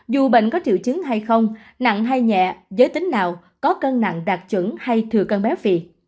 dù bệnh có triệu chứng hay không nặng hay nhẹ giới tính nào có cân nặng đạt chuẩn hay thừa cân béo phì